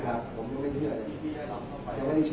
แต่ว่าไม่มีปรากฏว่าถ้าเกิดคนให้ยาที่๓๑